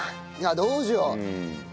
どうしよう？